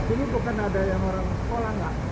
jadi yang pekerja sini bukan ada yang orang sekolah enggak